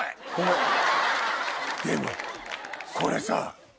でもこれさ。